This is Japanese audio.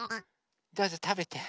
どうぞたべて。